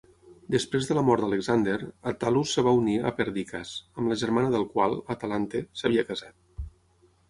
Després de la mort d'Alexander, Attalus es va unir a Perdiccas, amb la germana del qual, Atalante, s'havia casat.